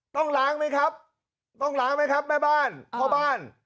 ต้องล้างไหมครับต้องล้างไหมครับแม่บ้านพ่อบ้าน